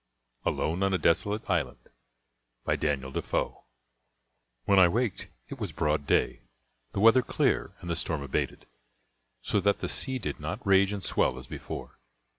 ALONE ON A DESOLATE ISLAND By Daniel Defoe When I waked it was broad day, the weather clear, and the storm abated, so that the sea did not rage and swell as before.